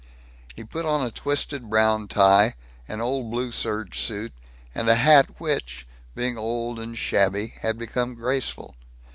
He put on a twisted brown tie, an old blue serge suit, and a hat which, being old and shabby, had become graceful.